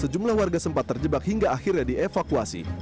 sejak kemarin empat jembatan terjebak hingga akhirnya dievakuasi